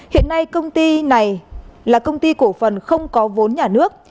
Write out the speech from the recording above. hiện nay công ty này là công ty cổ phần không có vốn nhà nước